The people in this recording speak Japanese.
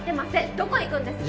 どこへ行くんですか？